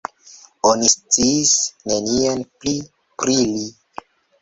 Oni sciis nenion pli pri li.